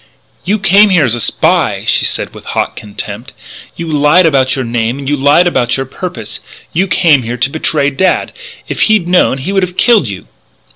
"You came here as a spy," she said with hot contempt. "You lied about your name; you lied about your purpose. You came here to betray Dad! If he'd known it he would have killed you!"